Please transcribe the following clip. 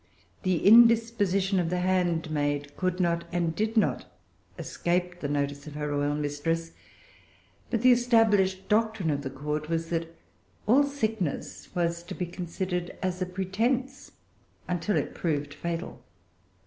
The indisposition of the handmaid could not, and did not, escape the notice of her royal mistress. But the established doctrine of the Court was, that all sickness was to be considered as a pretence until it proved fatal.